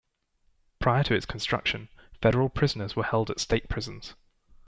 Prior to its construction, federal prisoners were held at state prisons.